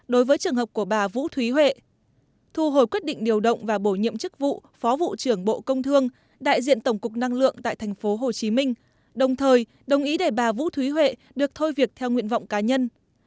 đối với trường hợp của bà vũ thúy huệ thu hồi quyết định điều động và bổ nhiệm chức vụ phó vụ trưởng bộ công thương đại diện tổng cục năng lượng tại tp hcm đồng thời đồng ý để bà vũ thúy huệ được thôi việc theo nguyện vọng cá nhân